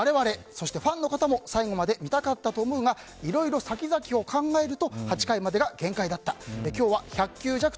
我々、そしてファンの方も最後まで見たかったと思うがいろいろ先々を考え８回までが厳戒であったと。